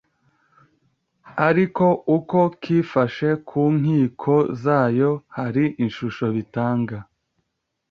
ariko uko kifashe ku nkiko zayo hari ishusho bitanga.